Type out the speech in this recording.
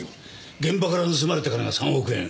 現場から盗まれた金が３億円。